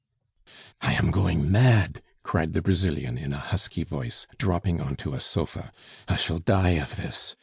"I am going mad!" cried the Brazilian, in a husky voice, dropping on to a sofa. "I shall die of this!